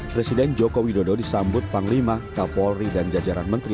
presiden joko widodo disambut panglima kapolri dan jajaran menteri